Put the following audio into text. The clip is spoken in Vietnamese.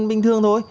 bình thường thôi